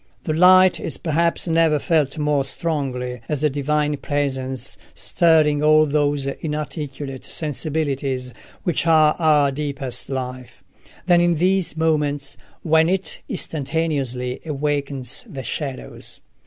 The light is perhaps never felt more strongly as a divine presence stirring all those inarticulate sensibilities which are our deepest life, than in these moments when it instantaneously awakens the shadows.